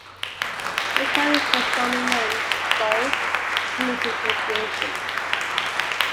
He acquired his performing name, "Soul," from his congregation.